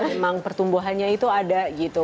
emang pertumbuhannya itu ada gitu